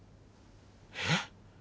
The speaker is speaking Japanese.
えっ？